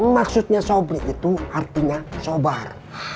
maksudnya sobri itu artinya sobar